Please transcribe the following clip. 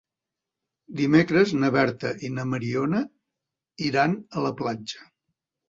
Dimecres na Berta i na Mariona iran a la platja.